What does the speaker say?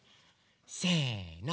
せの！